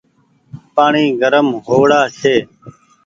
پآڻيٚ گرم هو وڙآ ڇي ۔